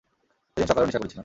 সেদিন সকালেও নেশা করেছিলাম।